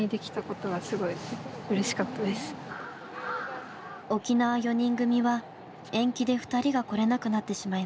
沖縄４人組は延期で２人が来れなくなってしまいました。